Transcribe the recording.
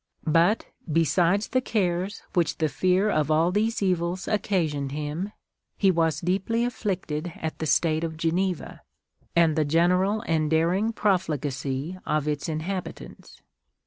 But, besides the cares which the fear of all these evils occasioned him, he was deeply afflicted at the state of Geneva, and the general and daring profligacy of its inha bitants."